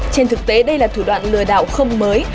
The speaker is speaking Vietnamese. trên thực tế đây là thủ đoạn lừa đảo không mới